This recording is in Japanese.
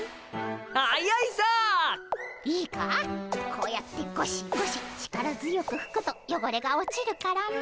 こうやってゴシゴシ力強くふくとよごれが落ちるからな。